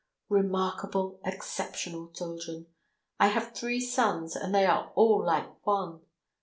"Remarkable, exceptional children! I have three sons, and they are all like one.